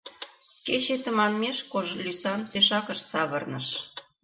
Ече тыманмеш кож лӱсан тӧшакыш савырныш.